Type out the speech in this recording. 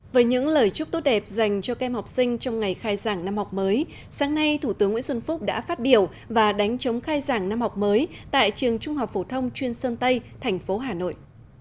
với những lời chúc tốt đẹp dành cho kem học sinh trong ngày khai giảng năm học mới sáng nay thủ tướng nguyễn xuân phúc đã phát biểu và đánh chống khai giảng năm học mới tại trường trung học phổ thông chuyên sơn tây thành phố hà nội